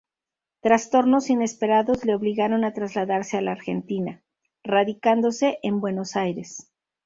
Trastornos inesperados le obligaron a trasladarse a la Argentina, radicándose en Buenos Aires.